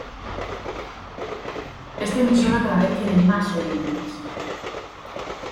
Esta emisora cada vez tiene más oyentes.